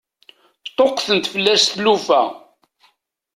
Ṭṭuqqtent fell-asent tlufa.